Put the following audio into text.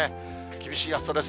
厳しい暑さです。